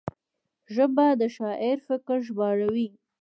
ژبه د شاعر فکر ژباړوي